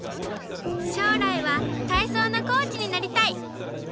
しょうらいはたいそうのコーチになりたい！